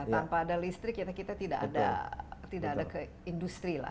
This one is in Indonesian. tanpa ada listrik ya kita tidak ada ke industri lah